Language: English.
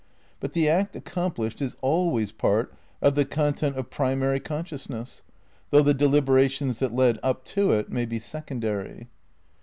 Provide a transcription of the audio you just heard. But the act accomplished is always part of the content of pri mary consciousness, though the deliberations that led up to it may be secondary.